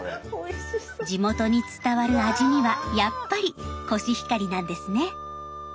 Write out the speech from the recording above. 地元に伝わる味にはやっぱりコシヒカリなんですね。